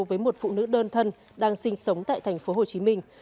với một phụ nữ đơn thân đang sinh sống tại thành phố hồ chí minh